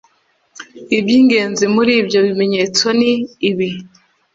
iby ingenzi muri ibyo bimenyetso ni ibi